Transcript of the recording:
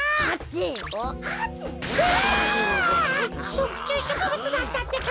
しょくちゅうしょくぶつだったってか。